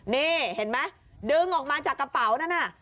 นี่เห็นมั้ยดึงออกมาจากกระเป๋านั้น